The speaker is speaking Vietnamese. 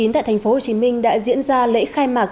tại tp hcm đã diễn ra lễ khai mạc